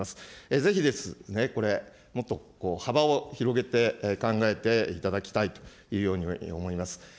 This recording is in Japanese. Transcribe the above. ぜひですね、これ、もっと幅を広げて考えていただきたいというように思います。